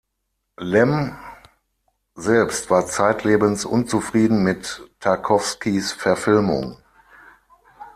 Lem selbst war zeitlebens unzufrieden mit Tarkowskis Verfilmung.